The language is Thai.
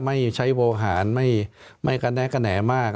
ไม่ใช้โวหารไม่กระแนะกระแหน่มาก